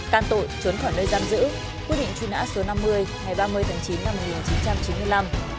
can tội trốn khỏi nơi giam giữ quyết định truy nã số năm mươi ngày ba mươi tháng chín năm một nghìn chín trăm chín mươi năm